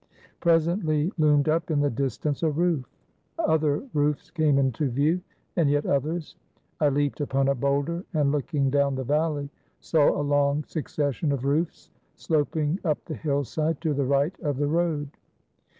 Presently loomed up in the distance a roof. Other roofs came into view, and yet others. I leaped upon a boulder and, looking down the valley, saw a long succes sion of roofs sloping up the hillside to the right of the road.